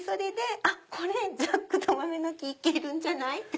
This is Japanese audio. これ『ジャックと豆の木』いけるんじゃない？って思って。